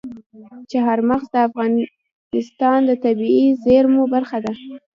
چار مغز د افغانستان د طبیعي زیرمو برخه ده.